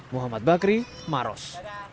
muhammad bakri maros